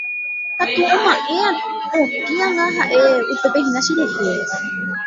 katu oma'ẽ otĩ anga ha'e upépe hína cherehe